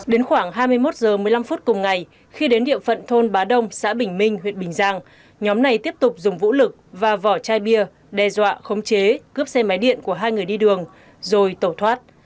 đến khoảng hai mươi một h một mươi năm phút cùng ngày khi đến địa phận thôn bá đông xã bình minh huyện bình giang nhóm này tiếp tục dùng vũ lực và vỏ chai bia đe dọa khống chế cướp xe máy điện của hai người đi đường rồi tẩu thoát